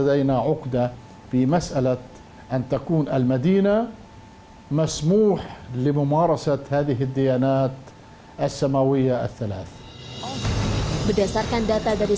dan akan menjadi kota yang terbuka untuk semua religi